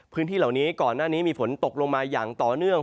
พื้นที่เหล่านี้ก่อนหน้านี้มีฝนตกลงมาอย่างต่อเนื่อง